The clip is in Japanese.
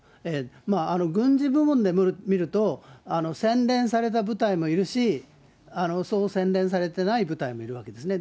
軍事部門で見ると、洗練された部隊もいるし、そう洗練されてない部隊もいるわけですね。